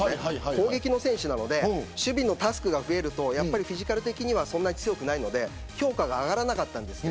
攻撃の選手なので守備のタスクが増えるとフィジカル的にはそんなに強くないので評価が上がらなかったんです。